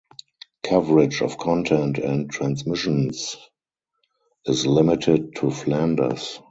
Coverage of content and transmissions is limited to Flanders.